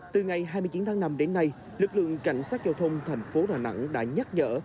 từ ngày hai mươi chín tháng năm đến nay lực lượng cảnh sát giao thông thành phố đà nẵng đã nhắc nhở